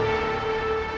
aku mau ke kanjeng itu